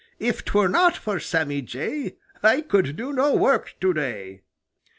If 'twere not for Sammy Jay I could do no work to day."